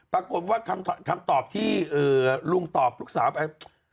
ปรากฏว่าคำตอบที่ลุงตอบลูกสาวไป